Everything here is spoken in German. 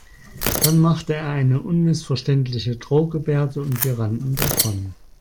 Dann machte er eine unmissverständliche Drohgebärde und wir rannten davon.